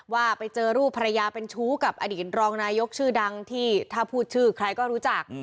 ว่าไปเจอรูปภรรยาเป็นชู้กับอดีตรองนายกชื่อดังที่ถ้าพูดชื่อใครก็รู้จัก